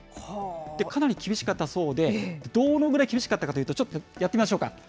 かなり厳しかったそうで、どのぐらい厳しかったかというと、ちょっとやってみましょうか。